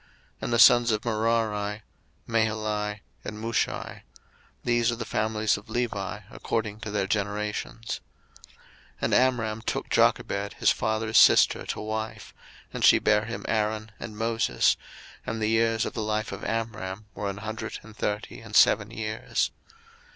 02:006:019 And the sons of Merari; Mahali and Mushi: these are the families of Levi according to their generations. 02:006:020 And Amram took him Jochebed his father's sister to wife; and she bare him Aaron and Moses: and the years of the life of Amram were an hundred and thirty and seven years.